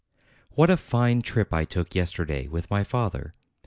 What a fine trip I took yesterday with my father!